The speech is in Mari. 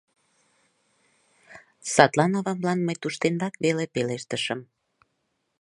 Садлан авамлан мый туштенрак веле пелештышым.